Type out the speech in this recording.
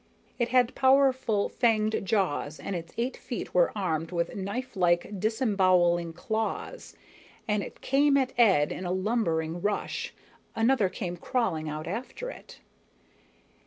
It had powerful fanged jaws and its eight feet were armed with knifelike, disemboweling claws. As it came at Ed in a lumbering rush, another came crawling out after it.